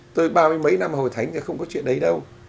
tôi ba mươi mấy năm hồi thánh thì không có chuyện đấy đâu